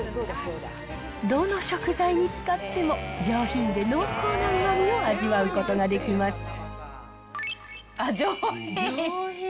どの食材に使っても、上品で濃厚なうまみを味わうことができますああ、上品。